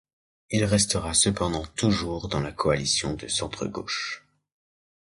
Il restera cependant toujours dans la coalition de centre gauche.